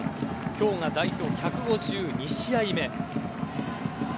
今日が代表１５２試合目。